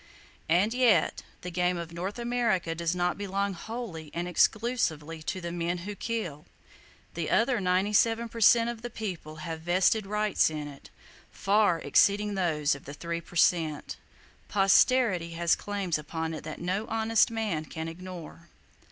And yet, the game of North America does not belong wholly and exclusively to the men who kill! The other ninety seven per cent of the People have vested rights in it, far exceeding those of the three per cent. Posterity has claims upon it that no honest man can ignore.